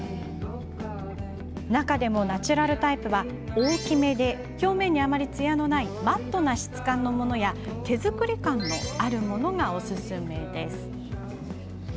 中でも、ナチュラルタイプは大きめで表面にあまりつやのないマットな質感のものや手作り感のあるものがおすすめ。